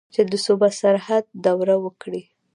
چې د صوبه سرحد دوره وکړي.